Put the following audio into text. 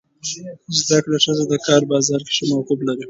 زده کړه ښځه د کار بازار کې ښه موقف لري.